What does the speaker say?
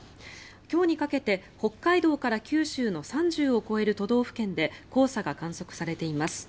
今日にかけて北海道から九州の３０を超える都道府県で黄砂が観測されています。